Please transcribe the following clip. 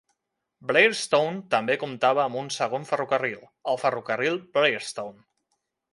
Blairstown també comptava amb un segon ferrocarril, el Ferrocarril Blairstown.